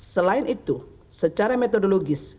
selain itu secara metodologis